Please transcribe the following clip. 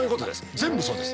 全部そうです。